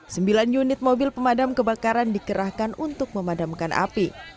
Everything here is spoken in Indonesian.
sembilan unit mobil pemadam kebakaran dikerahkan untuk memadamkan api